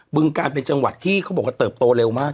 ึงการเป็นจังหวัดที่เขาบอกว่าเติบโตเร็วมาก